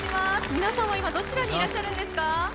皆さんは今どちらにいらっしゃるんですか？